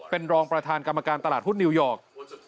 เป็นรองประธานกรรมการตลาดหุ้นนิวยอร์ก